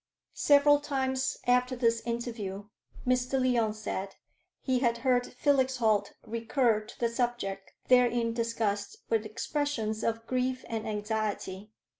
Several times after this interview, Mr. Lyon said, he had heard Felix Holt recur to the subject therein discussed with expressions of grief and anxiety.